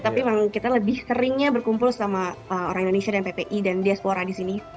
tapi memang kita lebih seringnya berkumpul sama orang indonesia dan ppi dan diaspora di sini